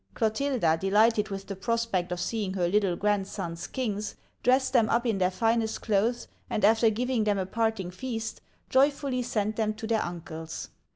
Clotilda, delighted with the prospect of seeing her little grand sons kings, dressed them up in their finest clothes, and after giving them a parting feast, joyfully sent them to their uncles.